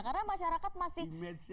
karena kita sudah berada di negara negara